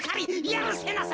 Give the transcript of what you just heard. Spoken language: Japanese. やるせなさ。